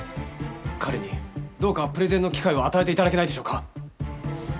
彼にどうかプレゼンの機会を与えて頂けないでしょうか。